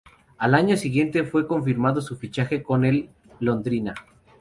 Al año siguiente fue confirmado su fichaje con el Londrina.